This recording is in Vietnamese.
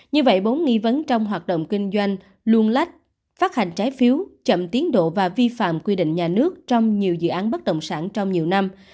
như vậy bốn nghi vấn trong hoạt động kinh doanh luôn lách phát hành trái phiếu chậm tiến độ và vi phạm quy định nhà nước trong nhiều dự án bất động sản trong nhiều năm